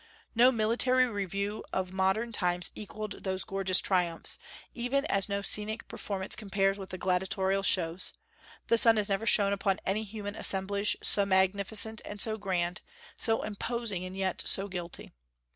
No military review of modern times equalled those gorgeous triumphs, even as no scenic performance compares with the gladiatorial shows; the sun has never shone upon any human assemblage so magnificent and so grand, so imposing and yet so guilty.